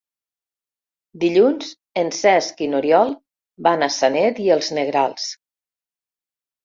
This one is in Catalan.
Dilluns en Cesc i n'Oriol van a Sanet i els Negrals.